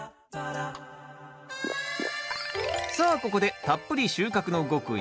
さあここでたっぷり収穫の極意